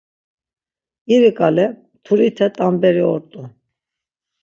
İri ǩale mturite t̆amberi ort̆u.